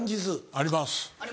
あります